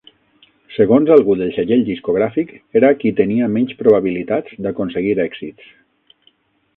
Segons algú del segell discogràfic, era "qui tenia menys probabilitats d'aconseguir èxits".